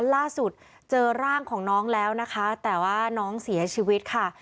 ล่าสุดเจอร่างของน้องแล้วนะคะแต่ว่าน้องเสียชีวิตค่ะ